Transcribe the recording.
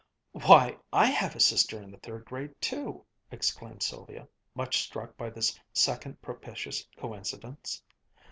"Why, I have a sister in the third grade too!" exclaimed Sylvia, much struck by this second propitious coincidence.